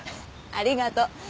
ありがとう。